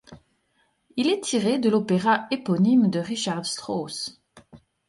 Il est tiré de l'opéra éponyme de Richard Strauss.